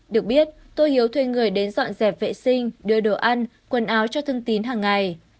được biết tô hiếu thuê người đến dọn dẹp vệ sinh đưa đồ ăn quần áo cho thương tín hằng ngày